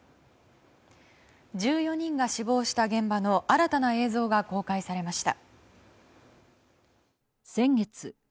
１４人が死亡した現場の新たな映像が公開されました。